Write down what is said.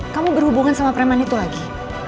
kamu berhubungan sama preman itu lagi